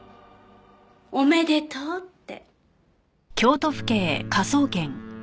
おめでとうって。